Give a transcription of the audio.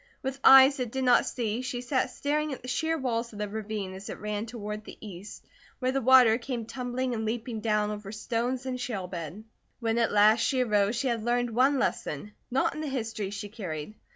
With eyes that did not see, she sat staring at the sheer walls of the ravine as it ran toward the east, where the water came tumbling and leaping down over stones and shale bed. When at last she arose she had learned one lesson, not in the History she carried.